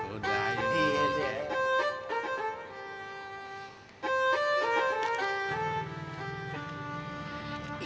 udah aja deh